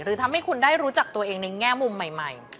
ทำให้คุณได้รู้จักตัวเองในแง่มุมใหม่